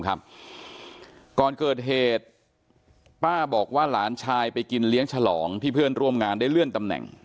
ก่อนเกิดเหตุป้าบอกว่าหลานชายไปกินเลี้ยงฉลองที่เพื่อนร่วมงานได้เลื่อนตำแหน่ง